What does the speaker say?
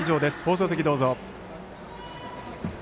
放送席どうぞ。